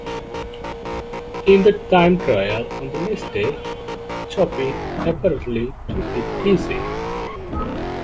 In the time trial on the next day, Coppi apparently took it easy.